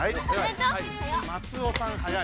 松尾さん早い。